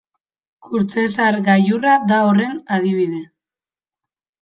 Kurtzezar gailurra da horren adibide.